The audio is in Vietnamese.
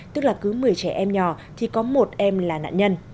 tức là cứ một mươi trẻ em nhỏ thì có một em là nạn nhân